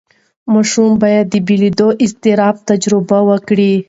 ماشوم باید د بېلېدو اضطراب تجربه وکړي.